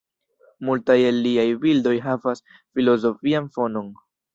Multaj el liaj bildoj havas filozofian fonon.